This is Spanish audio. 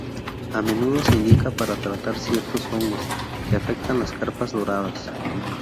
A menudo se indica para tratar ciertos hongos que afectan las carpas doradas.